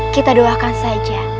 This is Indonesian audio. kita doakan saja